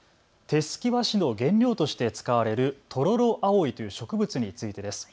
手すき和紙の原料として使われるトロロアオイという植物についてです。